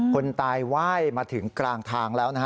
คนตายไหว้มาถึงกลางทางแล้วนะฮะ